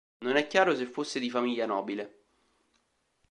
Non è chiaro se fosse di famiglia nobile.